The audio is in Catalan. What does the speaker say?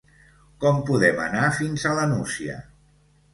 Com podem anar fins a la Nucia?